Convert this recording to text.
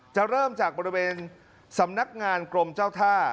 จะเริ่มจากบริเวณสำนักงานกรมเจ้าท่า